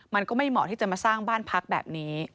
มันก็ไม่เหมาะที่จะมาสร้างบ้านพักแบบนี้